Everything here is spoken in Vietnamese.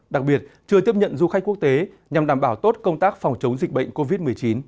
đặc biệt chưa tiếp nhận du khách quốc tế nhằm đảm bảo tốt công tác phòng chống dịch bệnh covid một mươi chín